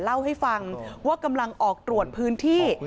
เล่าให้ฟังว่ากำลังออกตรวจพื้นที่